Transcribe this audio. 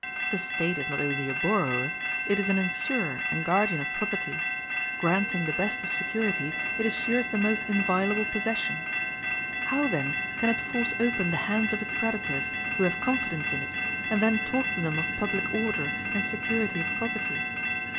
The State is not only a borrower, it is an insurer and guardian of property; granting the best of security, it assures the most inviolable possession. How, then, can it force open the hands of its creditors, who have confidence in it, and then talk to them of public order and security of property?